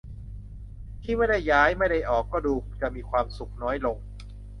ที่ไม่ได้ย้าย ไม่ได้ออก ก็ดูจะมีความสุขน้อยลง